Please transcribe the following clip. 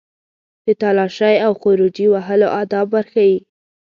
د تالاشۍ او خروجي وهلو آداب ور وښيي.